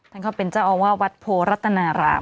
ท่านก็เป็นเจ้าอาวาสวัดโพรัตนาราม